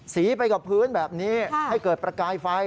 สีไปกับพื้นแบบนี้ให้เกิดประกายไฟ